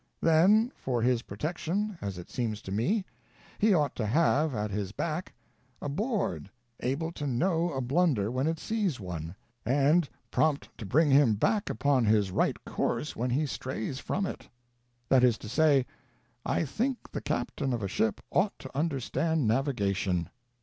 Then, for his protection, as it seems to me, he ought to have at his back a Board able to know a blunder when it sees one, and prompt to bring him back upon his right course when he strays from it. That is to say, I think the captain of a ship ought to understand navigation.